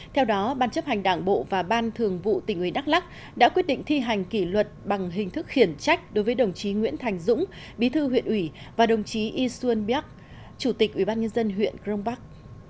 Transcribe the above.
theo đó ban chấp hành đảng bộ và ban thường vụ tỉnh ủy đắk lắc đã quyết định thi hành kỷ luật bằng hình thức khiển trách đối với đồng chí nguyễn thành dũng bí thư huyện ủy và đồng chí y xuân bíac chủ tịch ubnd huyện crong bắc